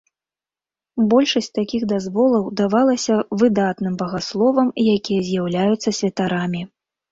Большасць такіх дазволаў давалася выдатным багасловам, якія з'яўляюцца святарамі.